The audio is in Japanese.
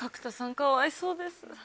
かわいそうです。